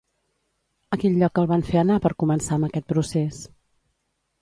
A quin lloc el van fer anar per començar amb aquest procés?